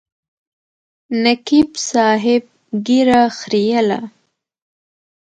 نقیب صاحب ږیره خریله.